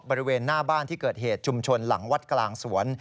บริเวณหน้าบ้านที่เกิดเหตุชุมชนหลังวัดกลางสวน